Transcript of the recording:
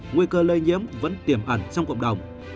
nguy cơ lây nhiễm vẫn tiềm ẩn trong cộng đồng